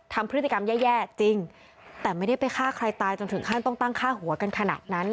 ทำพฤติกรรมแย่จริงแต่ไม่ได้ไปฆ่าใครตายจนถึงขั้นต้องตั้งฆ่าหัวกันขนาดนั้น